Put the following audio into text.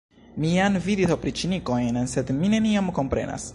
Mi jam vidis opriĉnikojn, sed mi nenion komprenas.